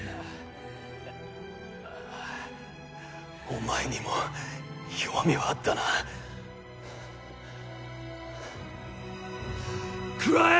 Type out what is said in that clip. お前にも弱みはあったなくらえ！